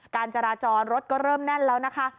การจราจรรถก็เริ่มแน่นแล้วนะคะ